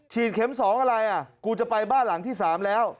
เข็ม๒อะไรกูจะไปบ้านหลังที่๓แล้ว